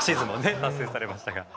達成されましたから。